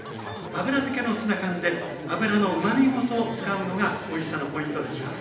油漬けのツナ缶で油のうまみごと使うのがおいしさのポイントでした。